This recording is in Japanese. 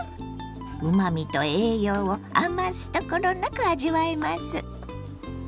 うまみと栄養を余すところなく味わえます。